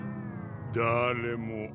だれも。